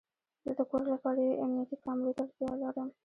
زه د کور لپاره یوې امنیتي کامرې ته اړتیا لرم